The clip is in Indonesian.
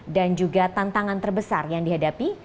dan juga tantangan terbesar yang dihadapi